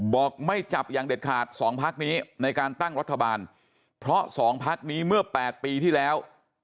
บอกไม่จับอย่างเด็ดขาดสองพักนี้ในการตั้งรัฐบาลเพราะสองพักนี้เมื่อ๘ปีที่แล้ว